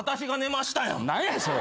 何やそれ。